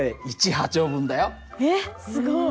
えっすごい。